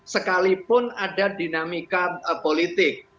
sekalipun ada dinamika politik